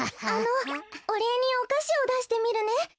あのおれいにおかしをだしてみるね。